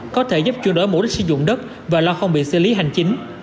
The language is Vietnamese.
có thể giúp chuyên đối mục đích sử dụng đất và lo không bị xử lý hành chính